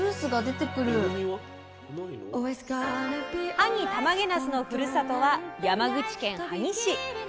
萩たまげなすのふるさとは山口県萩市。